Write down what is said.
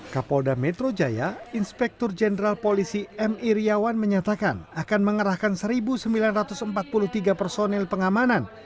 kapolda metro jaya inspektur jenderal polisi m iryawan menyatakan akan mengerahkan satu sembilan ratus empat puluh tiga personil pengamanan